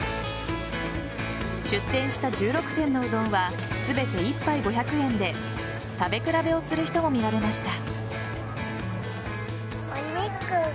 出店した１６店のうどんは全て１杯５００円で食べ比べをする人も見られました。